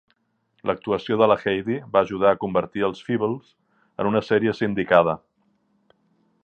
L'actuació de la Heidi va ajudar a convertir els Feebles en una serie sindicada.